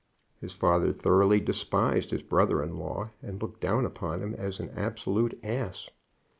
His father thoroughly despised his brother in law, and looked down upon him as an absolute ass.